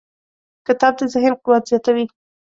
کتاب د ذهن قوت زیاتوي.